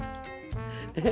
えっ。